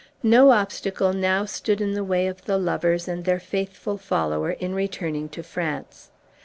No obstacle now stood in the way of the lovers and their faithful follower in returning to France.